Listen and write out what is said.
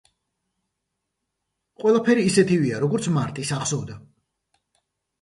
ყველაფერი ისეთივეა, როგორიც მარტის ახსოვდა.